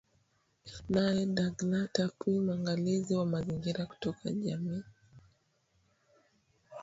Naye Dugner Tapuy mwangalizi wa mazingira kutoka jamii